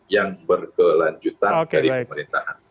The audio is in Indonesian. yang berkelanjutan dari pemerintahan